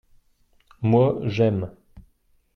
moi, j'aime.